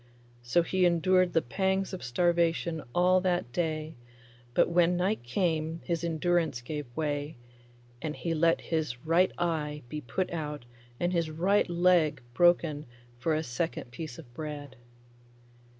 So he endured the pangs of starvation all that day, but when night came his endurance gave way, and he let his right eye be put out and his right leg broken for a second piece of bread.